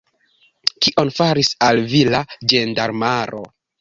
Kion faris al vi la ĝendarmaro?